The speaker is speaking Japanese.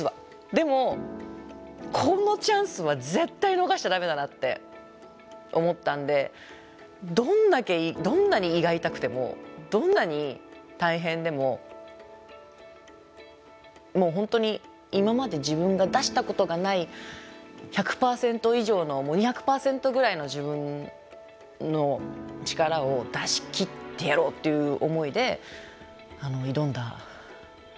でもこのチャンスは絶対逃しちゃ駄目だなって思ったんでどんだけどんなに胃が痛くてもどんなに大変でももう本当に今まで自分が出したことがない１００％以上のもう２００％ぐらいの自分の力を出しきってやろうという思いで挑んだ撮影でした。